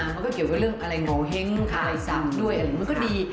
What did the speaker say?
มันก็เกี่ยวกับเรื่องอะไรหน่อเฮ้งอะไรสักด้วยมันก็ดี